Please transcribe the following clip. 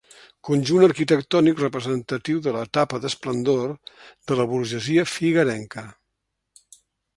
Conjunt arquitectònic representatiu de l'etapa d'esplendor de la burgesia figuerenca.